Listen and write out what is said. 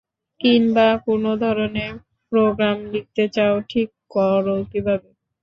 কিংবা, কোন ধরনের প্রোগ্রাম লিখতে চাও ঠিক করো কীভাবে?